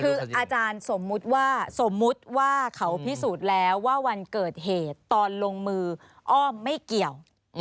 คืออาจารย์สมมติว่าเขาพิสูจน์แล้ววันเกิดเหตุตอนลงมืออ้อมไม่เกี่ยว